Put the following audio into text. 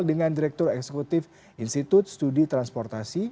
dengan direktur eksekutif institut studi transportasi